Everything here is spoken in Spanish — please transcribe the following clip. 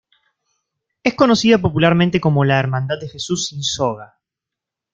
Es conocida popularmente como la Hermandad de Jesús sin Soga.